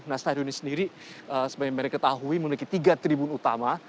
nah stadion ini sendiri sebagai mereka ketahui memiliki tiga tribun utama